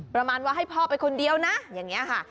ประมาณว่าให้พ่อไปคนเดียวนะอย่างนี้ค่ะ